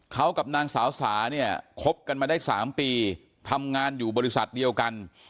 เขากับนางสาวสาเนี่ยคบกันมาได้๓ปีทำงานอยู่บริษัทเดียวกัน